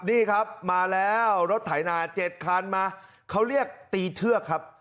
นี่ครับมาแล้วรถไถนา๗คันมาเขาเรียกตีเชือกครับ